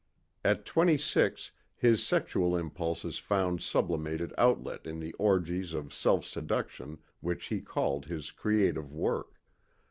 At twenty six his sexual impulses found sublimated outlet in the orgies of self seduction which he called his creative work.